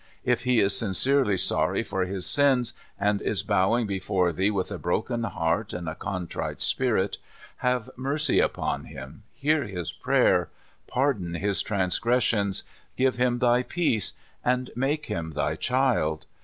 If he is sincerely sorry for his sins, and is bowing before Thee with a broken heart and a contrite spirit, have mercy upon him, hear his prayer, par don his transgressions, give him Thy peace, and make him Thy child.